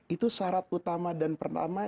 itu syarat utama dan pertama